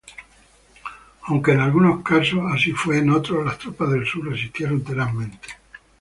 Aunque en algunos casos así fue, en otros las tropas del Sur resistieron tenazmente.